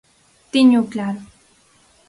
Téñoo claro.